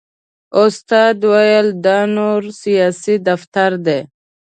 استاد ویل دا د نور سیاسي دفتر دی.